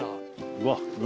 うわっ海！